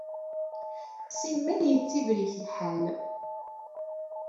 Simmal yettibrik lḥal.